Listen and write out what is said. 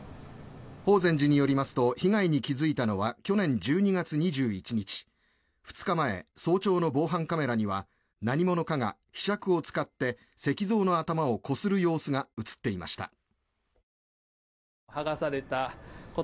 法善寺によりますと被害に気付いたのは去年１２月２１日２日前、早朝の防犯カメラには何者かがひしゃくを使って石像の頭をこする様子が映っていました。